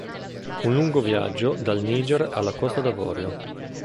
Un lungo viaggio dal Niger alla Costa d’Avorio.